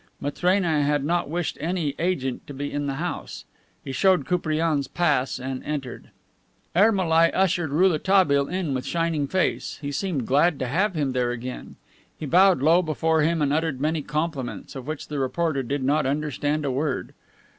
Matrena had not wished any agent to be in house. He showed Koupriane's pass and entered. Ermolai ushered Rouletabille in with shining face. He seemed glad to have him there again. He bowed low before him and uttered many compliments, of which the reporter did not understand a word.